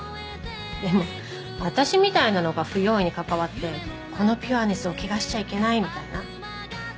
でも私みたいなのが不用意に関わってこのピュアネスを汚しちゃいけないみたいな？